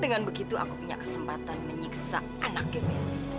dengan begitu aku punya kesempatan menyiksa anak ini